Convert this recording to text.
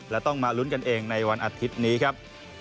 และต้องมาลุ้นกันเองในวันอาทิตย์นี้ครับ